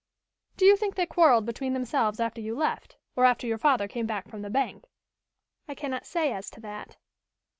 "Do you think they quarreled between themselves after you left, or after your father came back from the bank?" "I cannot say as to that."